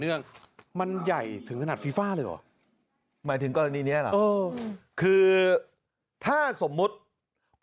ที่ทำให้คนมากมันอื่นทำงานเสียหลายด้วย